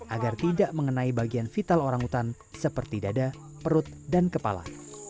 agar tidak mengenai bagian vital orang utan seperti dada perut dan kepala